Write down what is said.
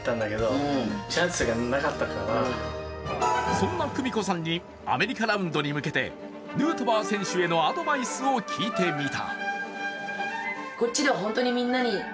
そんな久美子さんにアメリカラウンドに向けてヌートバー選手へのアドバイスを聞いてみた。